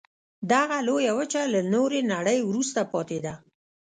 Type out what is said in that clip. دغه لویه وچه له نورې نړۍ وروسته پاتې ده.